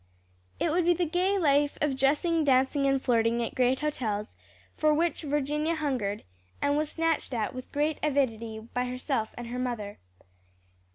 It would be the gay life of dressing, dancing and flirting at great hotels, for which Virginia hungered, and was snatched at with great avidity by herself and her mother.